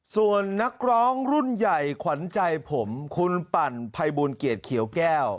ส่วนนักร้องรุ่นใหญ่ขวัญใจผมคุณปั่นภัยบูลเกียรติเขียวแก้ว